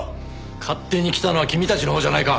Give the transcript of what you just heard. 勝手に来たのは君たちのほうじゃないか！